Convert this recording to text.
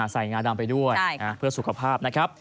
งาดำไปด้วยเพื่อสุขภาพนะครับ